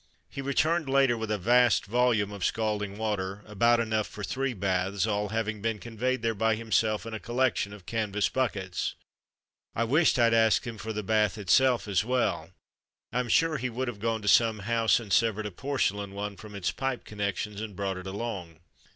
He returned later with a vast volume of scalding water, about enough for three baths, all having been conveyed there by himself in a collection of canvas buckets. I wished rd asked him for the bath itself as well. Fm sure he would have gone to some house and severed a porcelain one from its pipe connections and brought it along.